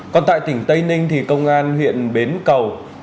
còn tại tỉnh tây ninh thì công an huyện bến cầu